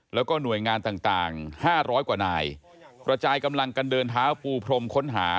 แล้วก็หน่วยงานต่าง๕๐๐กว่านายกระจายกำลังกันเดินเท้าปูพรมค้นหา